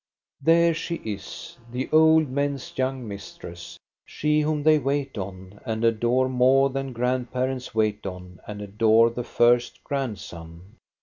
There she is, the old men's young mistress, — she whom they wait on and adore more than grandparents wait on. and adore the first grandson.